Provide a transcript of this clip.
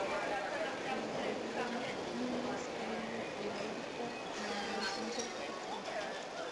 El apellido Nunes tiene heráldica y blasón certificado.